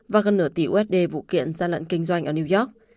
và gần nửa tỷ usd vụ kiện gian lận kinh doanh ở new york